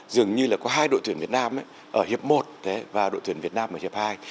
dường như là có hai đội tuyển việt nam ở hiệp một và đội tuyển việt nam ở hiệp hai